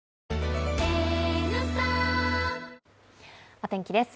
お天気です。